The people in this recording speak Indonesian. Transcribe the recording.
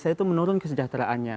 bagaimana menurun kesejahteraannya